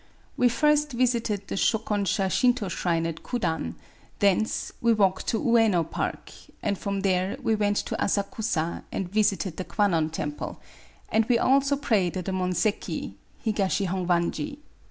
We first visited the Shdkonsha [Shinto shrine] at Kudan : thence we walked to Uyeno [park] ; and from there we went to Asakusa, and visited the Kwannon temple; and we also prayed at the Monzeki [^Higashi Hongwanji] .